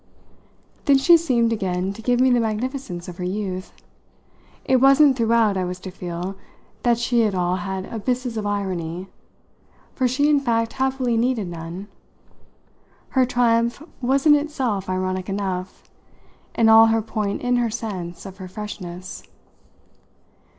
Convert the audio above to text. Then she seemed again to give me the magnificence of her youth. It wasn't, throughout, I was to feel, that she at all had abysses of irony, for she in fact happily needed none. Her triumph was in itself ironic enough, and all her point in her sense of her freshness.